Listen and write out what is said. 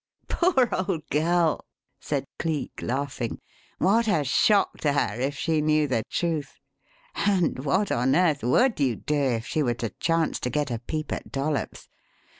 '" "Poor old girl!" said Cleek, laughing. "What a shock to her if she knew the truth. And what on earth would you do if she were to chance to get a peep at Dollops?